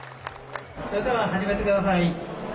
「それでは始めて下さい」。